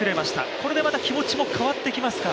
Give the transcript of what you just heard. これで気持ちも変わってきますか？